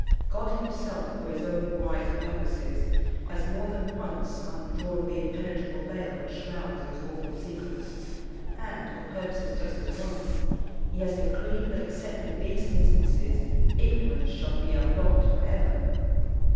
God himself, for his own wise purposes, has more than once undrawn the impenetrable veil which shrouds those awful secrets; and, for purposes just as wise, he has decreed that, except in these instances, ignorance shall be our lot for ever.